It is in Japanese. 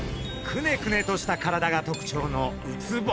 くねくねとした体が特徴のウツボ。